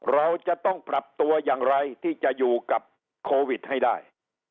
เราจะต้องปรับตัวอย่างไรที่จะอยู่กับโควิดให้ได้